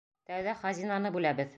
Тәүҙә хазинаны бүләбеҙ.